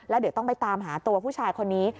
แล้วเดี๋ยวต้องไปตามหาตัวผู้ชายคนนี้